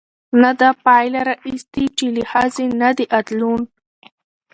نه دا پايله راايستې، چې له ښځې نه د ادلون